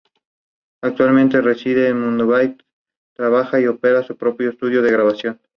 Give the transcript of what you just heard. Una gran vidriera permite iluminar una parte de la estación durante el día.